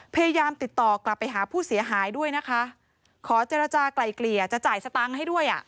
พยายามติดต่อกลับไปหาผู้เสียหายด้วยนะคะขอเจรจากลายเกลี่ยจะจ่ายสตางค์ให้ด้วยอ่ะ